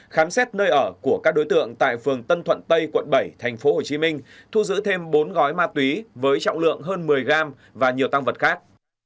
khám xét nơi ở của các đối tượng tại phường tân thuận tây quận bảy tp hcm thu giữ thêm bốn gói ma túy với trọng lượng hơn một mươi gram và nhiều tăng vật khác